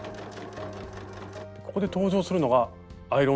ここで登場するのがアイロンなんですよね。